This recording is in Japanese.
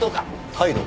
態度？